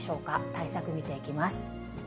対策、見ていきます。